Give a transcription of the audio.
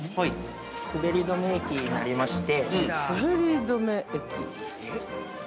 すり止め液になりまして。